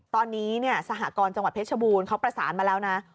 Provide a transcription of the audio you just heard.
ตอนนี้สหกรจังหวัดเพชรบูรณ์เขาประสานมาแล้วนะ